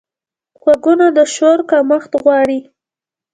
غوږونه د شور کمښت غواړي